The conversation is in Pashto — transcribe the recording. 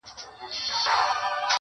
دا د یزید او کربلا لښکري-